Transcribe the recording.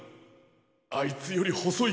あいつよりほそい